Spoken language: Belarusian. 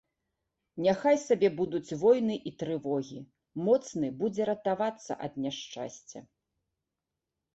Няхай сабе будуць войны і трывогі, моцны будзе ратавацца ад няшчасця.